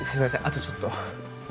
あとちょっと。